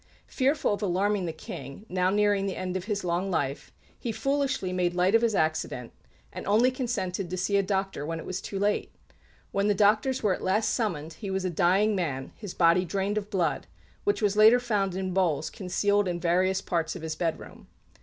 Fearful of alarming the King, now near the end of his long life, he foolishly made light of his accident, and only consented to see a doctor when it was too late. When the doctors were at last summoned he was a dying man, his body drained of blood, which was later found in bowls concealed in various parts of his bedroom.